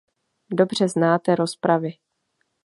Dobře znáte rozpravy.